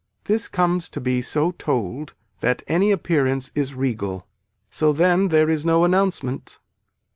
This comes to be so told that any appearance is regal. So then there is no announcement.